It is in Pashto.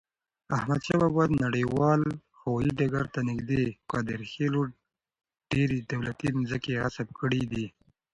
احمدشاه بابا نړیوال هوایی ډګر ته نږدې قادرخیلو ډیري دولتی مځکي غصب کړي دي.